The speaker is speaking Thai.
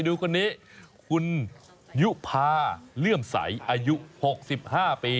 ดูคนนี้คุณยุภาเลื่อมใสอายุหกสิบห้าปี